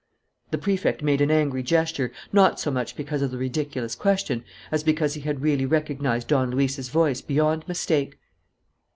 The Prefect made an angry gesture, not so much because of the ridiculous question as because he had really recognized Don Luis's voice beyond mistake.